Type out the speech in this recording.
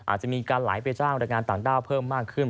อาจจะมีการไหลไปจ้างแรงงานต่างด้าวเพิ่มมากขึ้น